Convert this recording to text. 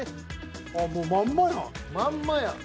もうまんまやん。